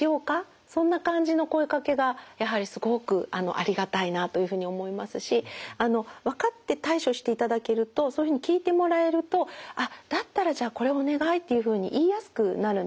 そんな感じの声かけがやはりすごくありがたいなというふうに思いますし分かって対処していただけるとそういうふうに聞いてもらえるとあっだったらじゃあこれお願いっていうふうに言いやすくなるんですよね。